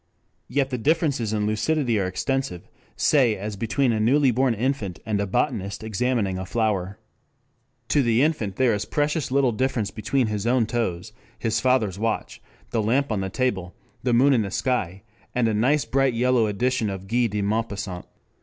Yet the differences in lucidity are extensive, say as between a newly born infant and a botanist examining a flower. To the infant there is precious little difference between his own toes, his father's watch, the lamp on the table, the moon in the sky, and a nice bright yellow edition of Guy de Maupassant.